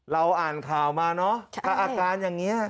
เราอ่านข่าวมาเนาะอาการอย่างเงี้ย